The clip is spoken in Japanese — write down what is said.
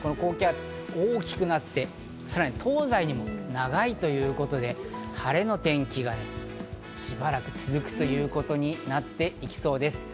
高気圧が大きくなって、さらに東西にも長いということで、晴れの天気がしばらく続くということになっていきそうです。